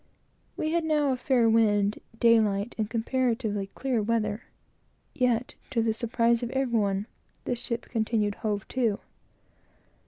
We had now a fair wind, daylight, and comparatively clear weather; yet, to the surprise of every one, the ship continued hove to.